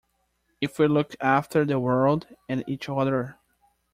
If we look after the world and each other.